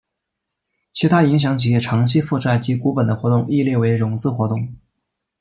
其他影响企业长期负债及股本的活动亦列为融资活动。